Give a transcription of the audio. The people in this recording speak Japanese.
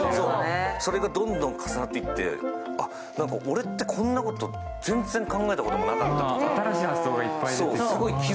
それがどんどん重なっていって、なんか俺ってこんなこと全然考えたことなかったって。